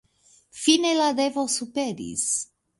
Fine la devo superis.